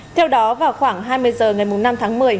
theo đó vào khoảng hai mươi h ngày năm tháng một mươi